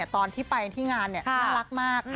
ตอนที่ไปที่งานน่ารักมาก